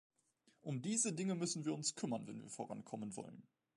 Um diese Dinge müssen wir uns kümmern, wenn wir vorankommen wollen.